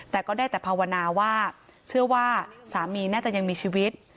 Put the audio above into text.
แต่ก็ได้แต่ภาวนาว่าเชื่อว่าสามีน่าจะยังมีชีวิต